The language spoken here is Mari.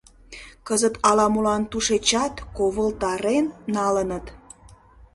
Кызыт ала-молан тушечат ковылтарен налыныт.